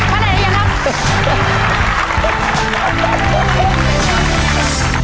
ขนาดไหนอย่างนั้นครับ